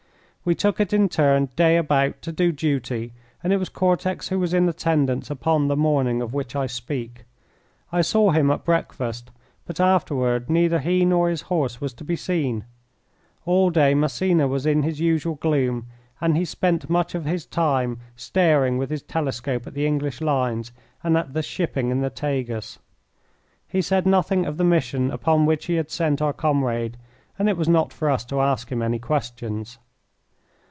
We took it in turn, day about, to do duty, and it was Cortex who was in attendance upon the morning of which I speak. I saw him at breakfast, but afterward neither he nor his horse was to be seen. All day Massena was in his usual gloom, and he spent much of his time staring with his telescope at the English lines and at the shipping in the Tagus. He said nothing of the mission upon which he had sent our comrade, and it was not for us to ask him any questions.